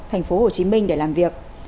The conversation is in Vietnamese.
thành phố hồ chí minh để làm việc